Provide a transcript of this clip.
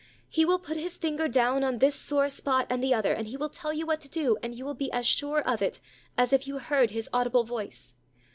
He will put His finger down on this sore spot and the other, and He will tell you what to do, and you will be as sure of it as if you heard His audible voice.